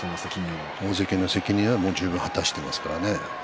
大関の責任はもう十分果たしていますからね。